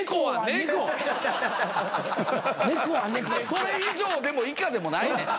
それ以上でも以下でもないねん。